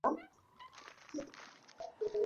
wakitaka dola itenganishwe na dini Muandamanaji wa